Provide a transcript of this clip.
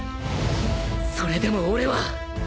それでも俺は！